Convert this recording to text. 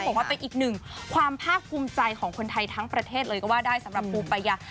บอกว่าเป็นอีกหนึ่งความภาคภูมิใจของคนไทยทั้งประเทศเลยก็ว่าได้สำหรับปูปายา